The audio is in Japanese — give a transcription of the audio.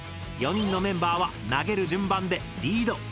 ４人のメンバーは投げる順番でリード